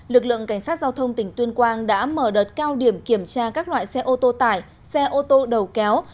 lực lượng cảnh sát giao thông tỉnh tuyên quang đã mở đợt cao điểm kiểm tra các loại xe ô tô tải xe ô tô đầu kéo